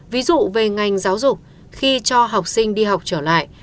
ví dụ về ngành giáo dục khi cho học sinh đi học trở lại